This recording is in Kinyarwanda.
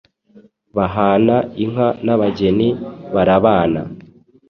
bahana inka n’abageni barabana